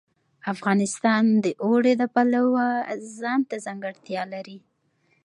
افغانستان د اوړي د پلوه ځانته ځانګړتیا لري.